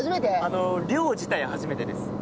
漁自体初めてです。